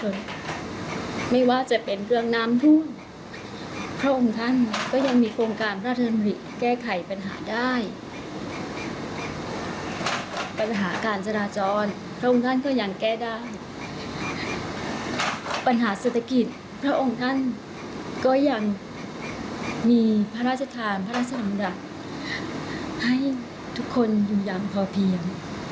และมีพระราชทานพระราชดำดังให้ทุกคนอยู่อย่างพอเพียง